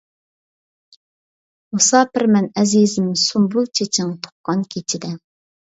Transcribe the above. مۇساپىرمەن ئەزىزىم سۇمبۇل چېچىڭ تۇغقان كېچىدە.